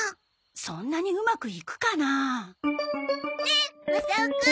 そんなにうまくいくかな？ねえマサオくん。